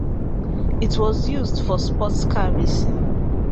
It was used for sports car racing.